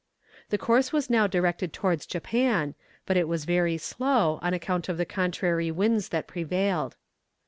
The course was now directed towards Japan, but it was very slow, on account of the contrary winds that prevailed.